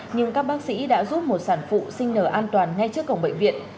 nhưng các bác sĩ đã giúp một sản phụ sinh nở an toàn ngay trước cổng bệnh viện